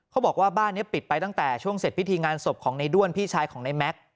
บอกว่าบ้านนี้ปิดไปตั้งแต่ช่วงเสร็จพิธีงานศพของในด้วนพี่ชายของในแม็กซ์